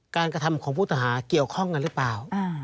กระทำของผู้ต้องหาเกี่ยวข้องกันหรือเปล่า